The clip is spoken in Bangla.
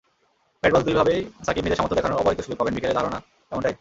ব্যাট-বল দুভাবেই সাকিব নিজের সামর্থ্য দেখানোর অবারিত সুযোগ পাবেন, বিকেলের ধারণা এমনটাই।